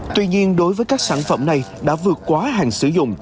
tuy nhiên đối với các sản phẩm này đã vượt quá hàng sử dụng